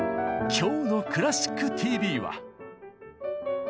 今日の「クラシックＴＶ」は。